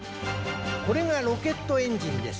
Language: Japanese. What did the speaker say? これがロケットエンジンです。